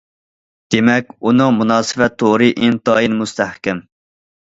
دېمەك، ئۇنىڭ مۇناسىۋەت تورى ئىنتايىن مۇستەھكەم.